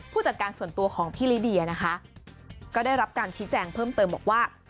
จัดการส่วนตัวของพี่ลิเดียนะคะก็ได้รับการชี้แจงเพิ่มเติมบอกว่า